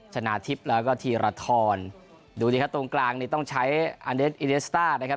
ชนะทิพย์แล้วก็ทีระทรดูดีครับตรงกลางต้องใช้อเนสต้านะครับ